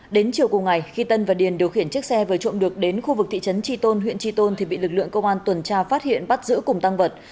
đến chiều cùng ngày khi tân và điền điều khiển chiếc xe vừa trộm được đến khu vực thị trấn tri tôn huyện tri tôn thì bị lực lượng công an tuần tra phát hiện bắt giữ cùng tăng vật